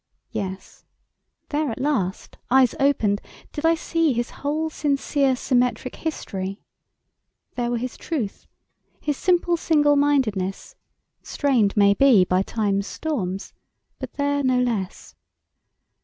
Yes, there at last, eyes opened, did I see His whole sincere symmetric history; There were his truth, his simple singlemindedness, Strained, maybe, by time's storms, but there no less.